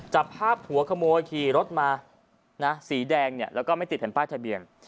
จับภาพหัวขโมยขี่รถมาสีแดงเนี่ยแล้วก็ไม่ติดแผ่นป้ายทะเบียน